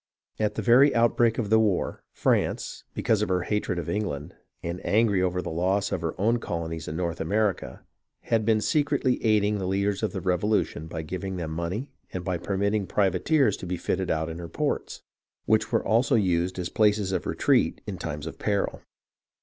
At the very outbreak of the war, France, because of her hatred of England, and angry over the loss of her own colonies in North America, had been secretly aiding the leaders of the Revolution by giving them money and by permitting privateers to be fitted out in ■ her ports, which were also used as the places of retreat in times of peril.